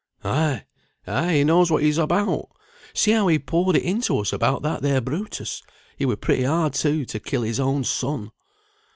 "Ay! ay! he knows what he's about. See how he poured it into us about that there Brutus. He were pretty hard, too, to kill his own son!"